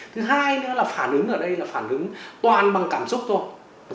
thứ hai nữa là phản ứng ở đây là phản ứng toàn bằng cảm xúc thôi